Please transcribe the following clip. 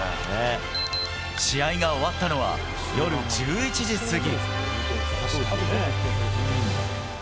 試合が終わったのは夜１１時過ぎ。